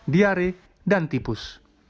diare dan tipus